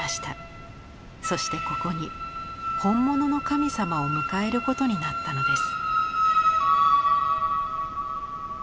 そしてここに本物の神様を迎えることになったのです。